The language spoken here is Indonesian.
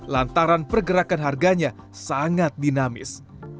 lantaran pergerakan harganya sangat dinamis